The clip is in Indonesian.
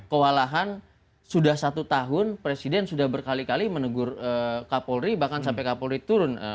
kewalahan sudah satu tahun presiden sudah berkali kali menegur kapolri bahkan sampai kapolri turun